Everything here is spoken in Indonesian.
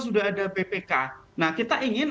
sudah ada bpk nah kita ingin